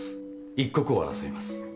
一刻を争います。